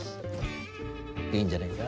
いいんじゃねえか？